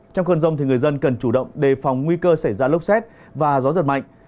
trong cơn rông người dân cần chủ động đề phòng nguy cơ xảy ra lốc xét và gió giật mạnh